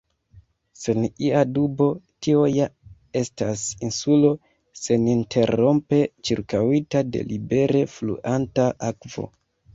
Sen ia dubo, tio ja estas insulo, seninterrompe ĉirkaŭita de libere fluanta akvo.